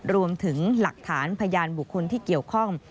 รวมถึงหลักฐานพยานบุคคลที่เกี่ยวข้อง